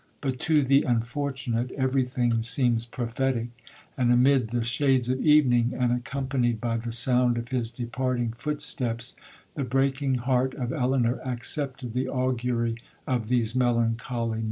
But to the unfortunate, every thing seems prophetic; and amid the shades of evening, and accompanied by the sound of his departing footsteps, the breaking heart of Elinor accepted the augury of these melancholy notes.